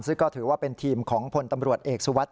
ซึ่งก็ถือว่าเป็นทีมของพลตำรวจเอกสุวัสด